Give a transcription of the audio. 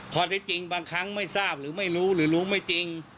ที่จริงบางครั้งไม่ทราบหรือไม่รู้หรือรู้ไม่จริง